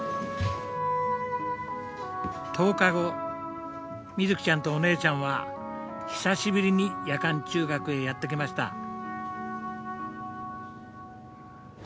１０日後みずきちゃんとお姉ちゃんは久しぶりに夜間中学へやって来ました。